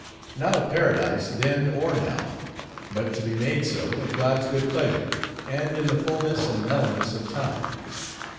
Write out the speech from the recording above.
Not a Paradise then, or now; but to be made so, at God's good pleasure, and in the fullness and mellowness of time.